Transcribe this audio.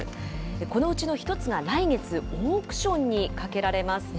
このうちの１つが来月、オークションにかけられます。